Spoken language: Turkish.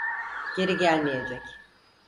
Geri gelmeyecek.